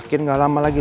kita mau dari mana dulu